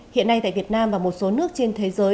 hiện nay tại việt nam và một số nước trên thế giới